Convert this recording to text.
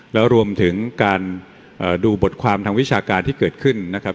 แล้วรวมถึงการดูบทความทางวิชาการที่เกิดขึ้นนะครับ